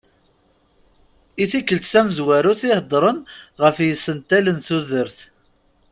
I tikkelt tamenzut i heddren ɣef yisental n tudert.